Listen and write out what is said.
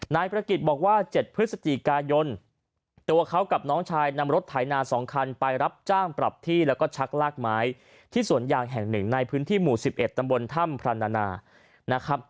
นายประกิจบอกว่า๗พฤศจิกายนตัวเขากับน้องชายนำรถไถนา๒คันไปรับจ้างปรับที่แล้วก็ชักลากไม้ที่สวนยางแห่งหนึ่งในพื้นที่หมู่๑๑ตำบลถ้ำพรณานะครับ